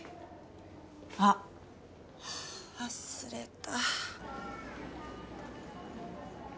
あっ忘れた。